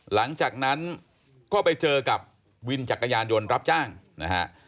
หลังจากนั้นก็ไปเจอกับวินจักรยานยนต์รับจ้างนะฮะ